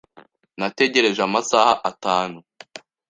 Nategereje amasaha atanu.